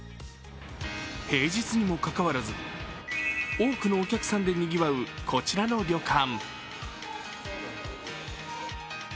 平日にもかかわらず多くのお客さんで、にぎわうこちらの旅館。